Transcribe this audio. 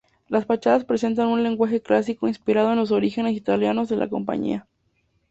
Las fachadas presentan un lenguaje clásico inspirado en los orígenes italianos de la compañía.